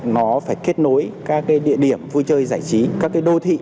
nó phải kết nối các địa điểm vui chơi giải trí các cái đô thị